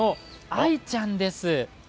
アイちゃんです。